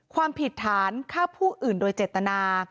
ความผิดฐานฆ่าผู้อื่นโดยเจตนา